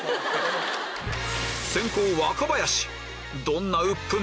先攻若林